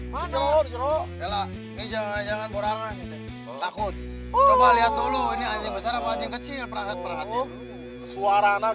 waduh ma tadi ini kayak suruh anjing